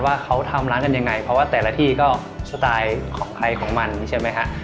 ว่าเขาทำร้านกันยังไงเพราะว่าแต่ละที่ก็สไตล์ของใครของมันใช่ไหมฮะ